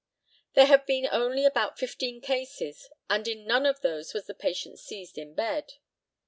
There have been only about fifteen cases, and in none of those was the patient seized in bed.